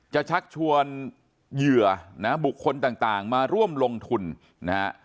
ชักชวนเหยื่อนะบุคคลต่างมาร่วมลงทุนนะฮะ